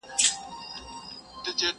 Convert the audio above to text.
شرنګی دی د ناپایه قافلې د جرسونو.!